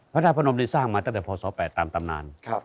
พระธาตุพระนมได้สร้างมาตั้งแต่พศ๘ตามตำนาน